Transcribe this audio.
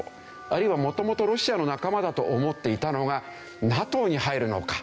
あるいは元々ロシアの仲間だと思っていたのがＮＡＴＯに入るのか。